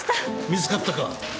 見つかったか。